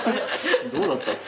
どうだったっけ？